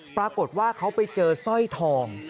ปรากฏว่าเขาไปเจอสร้อยทอง